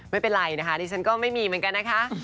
ไม่เป็นไรนะคะดิฉันก็ไม่มีเหมือนกันนะคะ